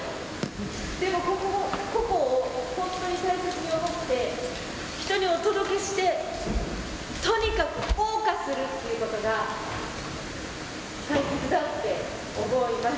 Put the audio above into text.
でも個々を本当に大切に思って、人にお届けして、とにかくおう歌するっていうことが、大切だって思います。